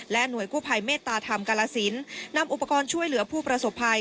หน่วยกู้ภัยเมตตาธรรมกาลสินนำอุปกรณ์ช่วยเหลือผู้ประสบภัย